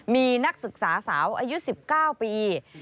มีนักศึกษาสาวอายุ๑๙ปี